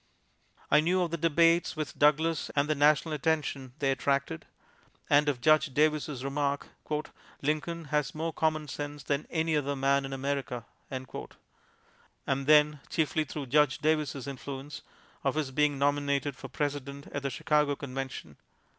I knew of the debates with Douglas and the national attention they attracted, and of Judge Davis' remark, "Lincoln has more commonsense than any other man in America"; and then, chiefly through Judge Davis' influence, of his being nominated for President at the Chicago Convention.